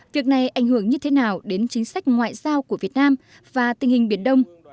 việc này ảnh hưởng như thế nào đến chính sách ngoại giao của việt nam và tình hình biển đông